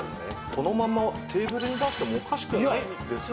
このままテーブルに出してもおかしくないですし。